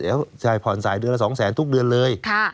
เดี๋ยวจ่ายผ่อนจ่ายเดือนละ๒๐๐๐๐๐บาททุกเดือนเลย